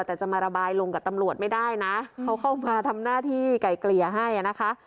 แต่จะมาระบายลงกับตำรวจไม่ได้นะเขาเข้ามาทำหน้าที่ไก่เกลี่ยให้นะคะ